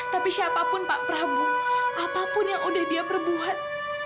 tapi siapapun pak prabu apapun yang udah dia berbuat